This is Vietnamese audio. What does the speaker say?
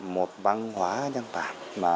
một văn hóa nhật bản